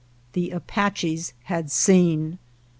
The Apaches had seen.